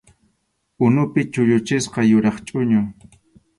Unupi chulluchisqa yuraq chʼuñu.